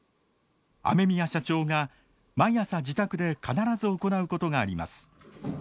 雨宮社長が毎朝自宅で必ず行うことがあります。